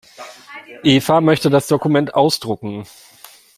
Eva möchte das Dokument ausdrucken.